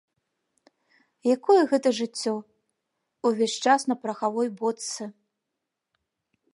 Якое гэта жыццё, увесь час на парахавой бочцы!